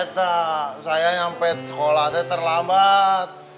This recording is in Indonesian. tak saya sampai sekolah terlambat